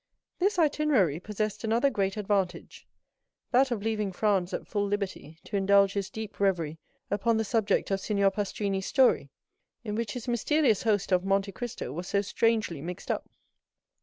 This itinerary possessed another great advantage,—that of leaving Franz at full liberty to indulge his deep reverie upon the subject of Signor Pastrini's story, in which his mysterious host of Monte Cristo was so strangely mixed up.